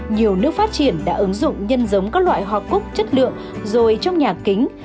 nhiều nước phát triển đã ứng dụng nhân giống các loại hoa cúc chất lượng rồi trong nhà kính